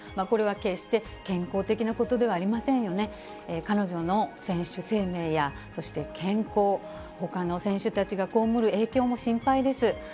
これは決して、健康的なことではありませんよね、彼女の選手生命や、そして健康、ほかの選手たちが被る影響も心配です。